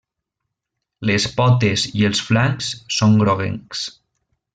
Les potes i els flancs són groguencs.